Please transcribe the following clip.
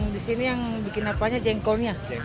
di sini yang bikin apanya jengkolnya